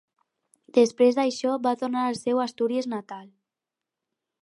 Després d'això va tornar al seu Astúries natal.